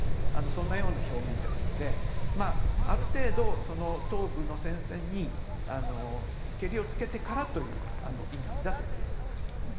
そんなような表現ですのである程度、東部の戦線にけりをつけてからという意味だと思います。